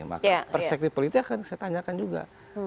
maka perspektif politik akan saya tanyakan juga